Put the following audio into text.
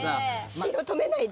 史郎止めないで！